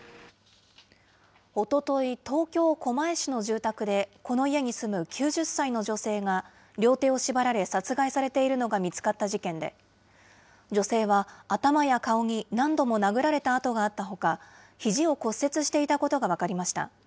おととい、東京・狛江市の住宅で、この家に住む９０歳の女性が両手を縛られ殺害されているのが見つかった事件で、女性は頭や顔に何度も殴られた痕があったほか、ひじを骨折していたことが分かりました。